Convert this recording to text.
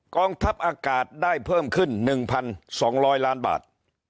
กองทัพอากาศได้เพิ่มขึ้น๑๒๐๐ล้านบาท